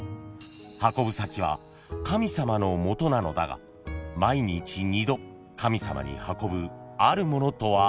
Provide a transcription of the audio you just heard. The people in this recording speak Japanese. ［運ぶ先は神様の元なのだが毎日二度神様に運ぶあるものとはいったい何？］